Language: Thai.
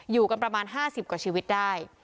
อยู่กันประมาณ๕๐กว่าชีวิตได้